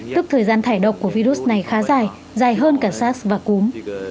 tức thời gian thải độc của virus này khá dài dài hơn cả sars và cúm